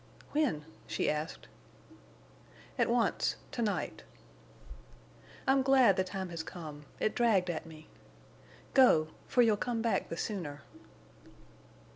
"When?" she asked. "At once—to night." "I'm glad the time has come. It dragged at me. Go—for you'll come back the sooner."